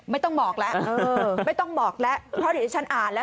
ไม่ต้องบอกแล้วเออไม่ต้องบอกแล้วเพราะเดี๋ยวที่ฉันอ่านแล้ว